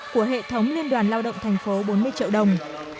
của hệ thống liên đoàn lao động thành phố bốn mươi triệu đồng